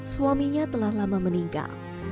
suaminya telah lama meninggal